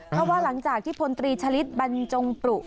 เพราะว่าหลังจากที่พลตรีชะลิดบรรจงปรุ